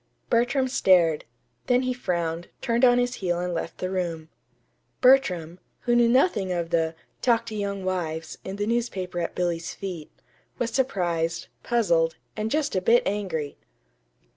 Bertram stared; then he frowned, turned on his heel and left the room. Bertram, who knew nothing of the "Talk to Young Wives" in the newspaper at Billy's feet, was surprised, puzzled, and just a bit angry.